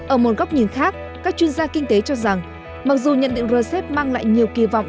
ở một góc nhìn khác các chuyên gia kinh tế cho rằng mặc dù nhận định rcep mang lại nhiều kỳ vọng